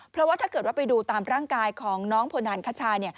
เพราะว่าถ้าเกิดว่าไปดูตามร่างกายของน้องพลฐานคชา